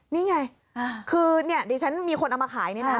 นี่ไงคือเนี่ยดิฉันมีคนเอามาขายนี่นะ